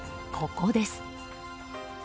ここです。